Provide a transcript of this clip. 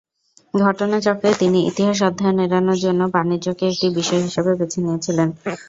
ঘটনাচক্রে, তিনি ইতিহাস অধ্যয়ন এড়ানোর জন্য বাণিজ্যকে একটি বিষয় হিসাবে বেছে নিয়েছিলেন।